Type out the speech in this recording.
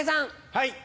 はい。